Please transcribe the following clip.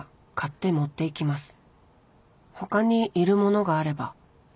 他にいるものがあれば。